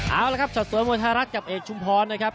เอาละครับสัดสวนมวยไทยรัฐกับเอกชุมพรนะครับ